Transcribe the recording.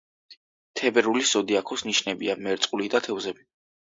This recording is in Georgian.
თებერვლის ზოდიაქოს ნიშნებია მერწყული და თევზები.